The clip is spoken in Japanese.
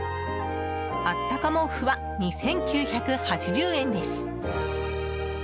あったか毛布は２９８０円です。